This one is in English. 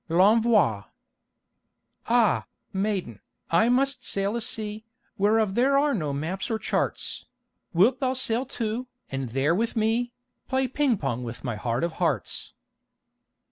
L'ENVOI Ah, maiden, I must sail a sea Whereof there are no maps or charts; Wilt thou sail too, and there with me Play ping pong with my heart of hearts?